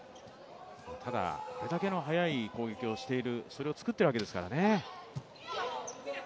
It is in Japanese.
ただ、これだけの速い攻撃をしているそれを作っているわけですからね。